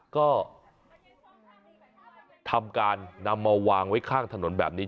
ก็ทำการนำมาวางไว้ข้างถนนแบบนี้